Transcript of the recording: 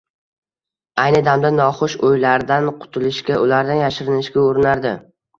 Ayni damda noxush oʻylardan qutilishga, ulardan yashirinishga urinardi